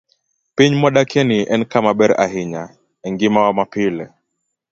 Piny mwadakieni en kama ber ahinya e ngimawa mapile.